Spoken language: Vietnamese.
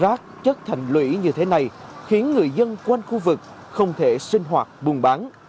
rác chất thành lũy như thế này khiến người dân quanh khu vực không thể sinh hoạt buôn bán